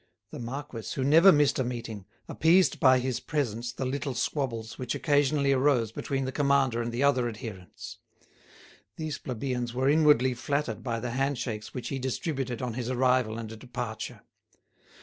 The marquis, who never missed a meeting, appeased by his presence the little squabbles which occasionally arose between the commander and the other adherents. These plebeians were inwardly flattered by the handshakes which he distributed on his arrival and departure.